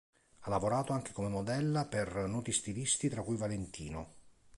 Ha lavorato anche come modella per noti stilisti, tra cui Valentino.